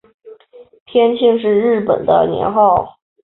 天庆是日本的年号。